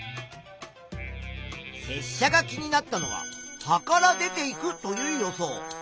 せっしゃが気になったのは葉から出ていくという予想。